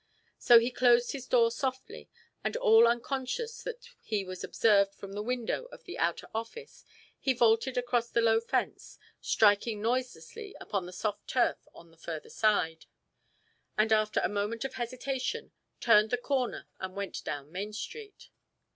So he closed his door softly, and all unconscious that he was observed from the window of the outer office, he vaulted across the low fence, striking noiselessly upon the soft turf on the further side; and, after a moment of hesitation, turned the corner and went down Main Street.